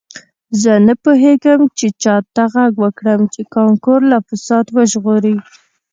زه نه پوهیږم چې چا ته غږ وکړم چې کانکور له فساد وژغوري